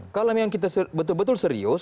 kalau memang kita betul betul serius